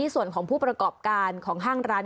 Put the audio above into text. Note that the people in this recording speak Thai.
ส่วนของผู้ประกอบการของห้างร้าน